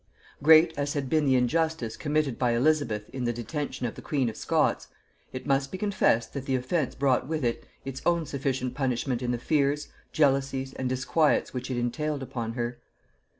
Great as had been the injustice committed by Elizabeth in the detention of the queen of Scots, it must be confessed that the offence brought with it its own sufficient punishment in the fears, jealousies and disquiets which it entailed upon her.